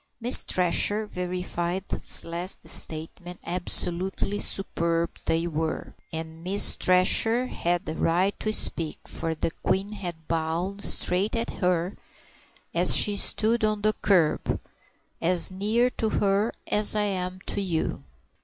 Miss Thresher verified this last statement, absolutely superb they were, and Miss Thresher had a right to speak, for the Queen had bowed straight at her, as she stood on the kerb, "as near to her as I am to you."